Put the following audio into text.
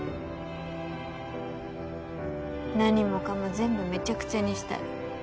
何もかも全部めちゃくちゃにしたい。